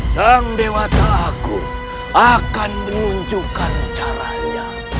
sang dewata aku akan menunjukkan caranya